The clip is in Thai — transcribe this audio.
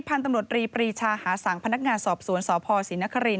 ปรีชหาสังพ์พนักงานสอบสวนสพศิลทรัฐ์คาริน